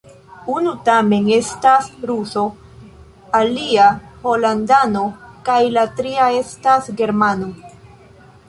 Unu tamen estas ruso, alia holandano kaj la tria estas germano.